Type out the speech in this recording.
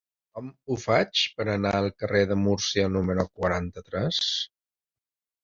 Com ho faig per anar al carrer de Múrcia número quaranta-tres?